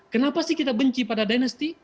kenapa sih kita benci pada dinasti